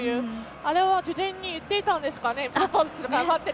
あれは事前に言っていたんですかね。